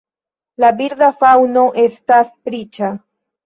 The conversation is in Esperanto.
La birda faŭno estas riĉa.